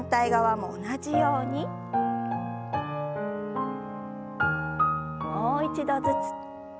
もう一度ずつ。